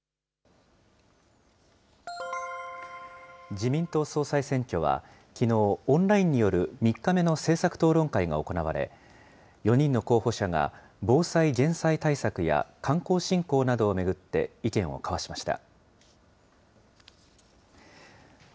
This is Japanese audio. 自民党総裁選挙は、きのう、オンラインによる３日目の政策討論会が行われ、４人の候補者が防災・減災対策や観光振興などを巡って意見を交わしました。